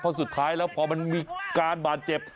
เพราะสุดท้ายแล้วพอมันมีการบาดเจ็บ